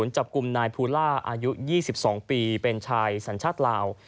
จับกลุ่มนายภูล่าอายุ๒๒ปีเป็นชายสัญชาติลาว